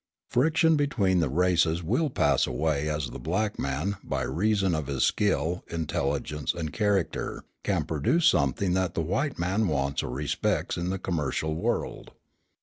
Friction between the races will pass away as the black man, by reason of his skill, intelligence, and character, can produce something that the white man wants or respects in the commercial world.